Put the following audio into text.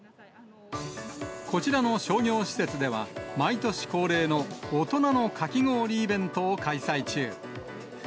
こちらの商業施設では、毎年恒例の大人のかき氷イベントを開催中。